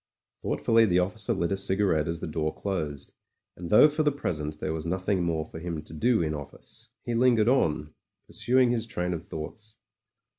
Thoughtfully the officer lit a cigarette as the door closed, and though for the present there was nothing more for him to do in office, he lingered on, pursuing his train of thoughts.